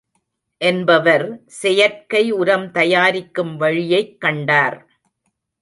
என்பவர் செயற்கை உரம் தயாரிக்கும் வழியைக் கண்டார்.